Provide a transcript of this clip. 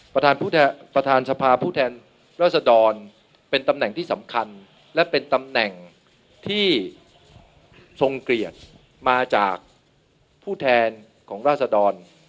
ประธานสภาผู้แทนราษดรเป็นตำแหน่งที่สำคัญและเป็นตำแหน่งที่ทรงเกลียดมาจากผู้แทนของราศดร